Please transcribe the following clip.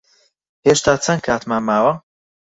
هێشتا چەند کاتمان ماوە؟